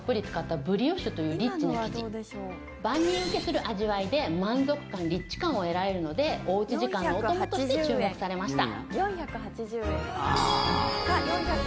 万人受けする味わいで満足感、リッチ感を得られるのでおうち時間のお供として注目されました。